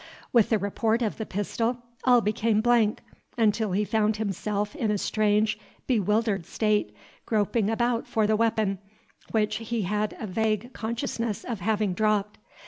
With the report of the pistol all became blank, until he found himself in a strange, bewildered state, groping about for the weapon, which he had a vague consciousness of having dropped.